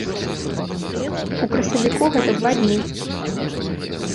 У красавіку гэта два дні.